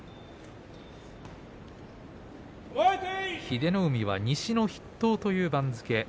英乃海は西の筆頭という番付。